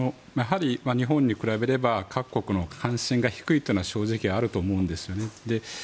日本に比べれば各国の関心が低いというのは正直、あると思うんですよね。